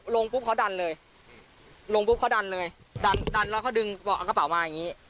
ลงปุ๊บเขาดันเลยลงปุ๊บเขาดันเลยดันดันแล้วเขาดึงเอากระเป๋ามาอย่างนี้